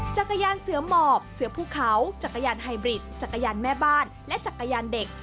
จักรยานเสือหมอบเสือภูเขาจักรยานไฮบริดจักรยานแม่บ้านและจักรยานเด็ก